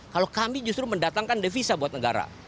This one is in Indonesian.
kalau kami justru mendatangkan devisa buat negara